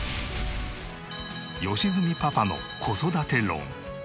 良純パパの子育て論。